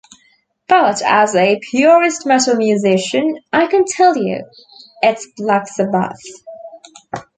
But as a purist metal musician, I can tell you- it's Black Sabbath.